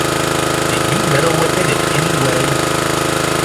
Did you meddle with it in any way?